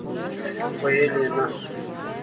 ویل یې، نه!!!